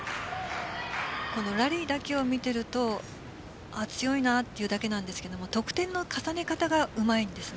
ラリーだけを見ていると強いなというだけなんですが得点の重ね方がうまいんですよね